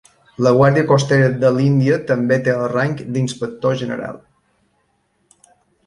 La Guàrdia Costera de l'Índia també té el rang d'inspector general.